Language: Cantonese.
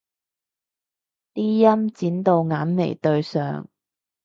啲陰剪到眼眉對上